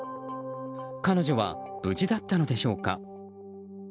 彼女は無事だったのでしょうか。